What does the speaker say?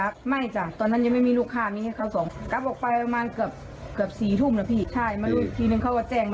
ตำรวจก็กำลังเร่งหาเบาะแสอยู่นะครับ